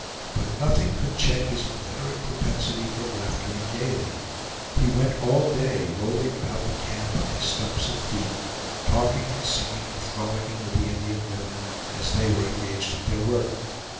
But nothing could check his inveterate propensity for laughter and gayety. He went all day rolling about the camp on his stumps of feet, talking and singing and frolicking with the Indian women, as they were engaged at their work.